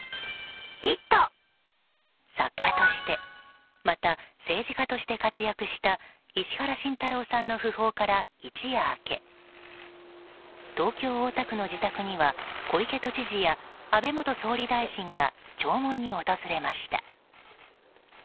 作家としてまた政治家として活躍した石原慎太郎さんの訃報から一夜明け東京・大田区の自宅には小池都知事や安倍元総理大臣が弔問に訪れました。